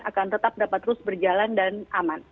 akan tetap dapat terus berjalan dan aman